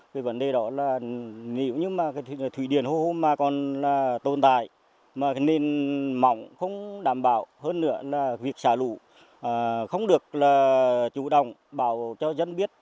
cái vấn đề đó là nếu như thủy điện hố hồ còn tồn tại mà nên mỏng không đảm bảo hơn nữa là việc xả lũ không được chủ động bảo cho dân biết